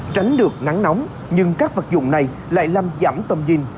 tránh được nắng nóng nhưng các vật dụng này lại làm giảm tầm nhìn